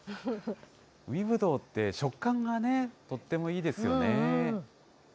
海ぶどうって、食感がね、とってもいいですよね。